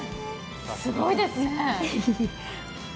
すごいですね。